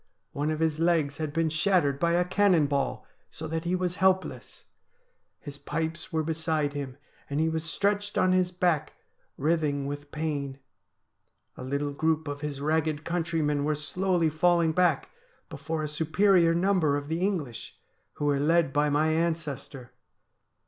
One of his legs had been shattered by a cannon ball, so that he was helpless. His pipes were be side him, and he was stretched on his back writhing with pain. A little group of his ragged countrymen were slowly falling back before a superior number of the English, who were led by my ancestor.